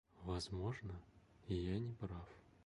Возможно, я неправ.